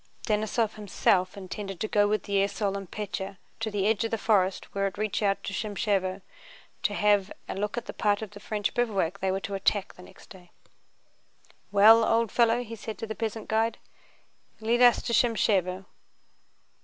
Denísov himself intended going with the esaul and Pétya to the edge of the forest where it reached out to Shámshevo, to have a look at the part of the French bivouac they were to attack next day. "Well, old fellow," said he to the peasant guide, "lead us to Shámshevo."